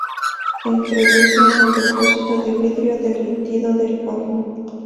Se introduce en el depósito de vidrio derretido del horno.